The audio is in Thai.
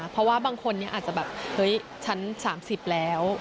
เพราะว่าบางคนนี้อาจจะแบบเฮ้ยฉัน๓๐แล้ว